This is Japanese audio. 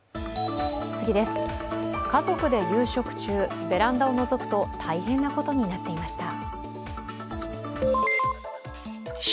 家族で夕食中、ベランダをのぞくと大変なことになっていました。